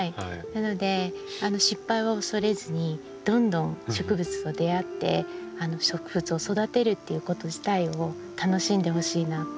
なので失敗は恐れずにどんどん植物と出会って植物を育てるっていうこと自体を楽しんでほしいなって思います。